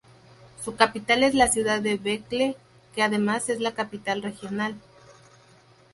Su capital es la ciudad de Vejle, que además es la capital regional.